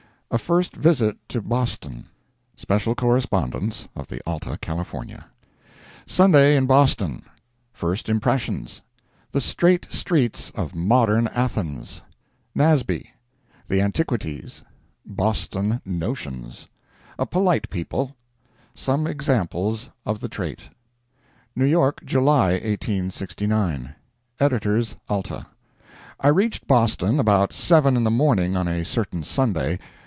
A FIRST VISIT TO BOSTON. [SPECIAL CORRESPONDENCE OF THE ALTA CALIFORNIA] Sunday in Boston—First Impressions—The Straight Streets of Modern Athens—Nasby—The Antiquities—Boston "Notions"—A Polite People—Some Examples of the Trait. NEW YORK, July, 1869 EDITORS ALTA: I reached Boston about seven in the morning on a certain Sunday.